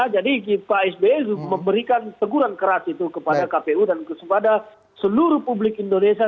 jadi pak sby memberikan teguran keras itu kepada kpu dan kepada seluruh publik indonesia